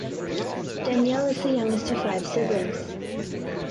Danielle is the youngest of five siblings.